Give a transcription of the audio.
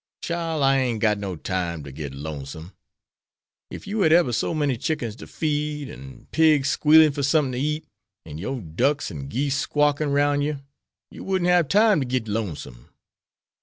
"Chile, I ain't got no time ter get lonesome. Ef you had eber so many chickens to feed, an' pigs squealin' fer somethin' ter eat, an' yore ducks an' geese squakin' 'roun' yer, yer wouldn't hab time ter git lonesome."